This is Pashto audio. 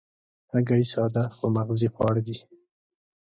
هګۍ ساده خو مغذي خواړه دي.